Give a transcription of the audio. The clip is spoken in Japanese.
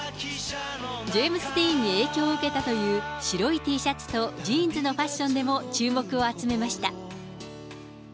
ジェームズ・ディーンに影響を受けたという白いＴシャツとジーンズのファッションでも注目を集めました。